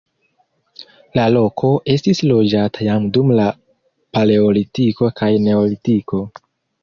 La loko estis loĝata jam dum la paleolitiko kaj neolitiko.